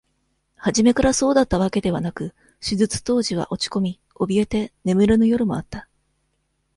初めからそうだったわけではなく、手術当時は、落ち込み、おびえて、眠れぬ夜もあった。